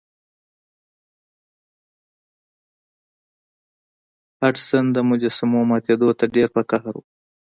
هډسن د مجسمو ماتیدو ته ډیر په قهر و.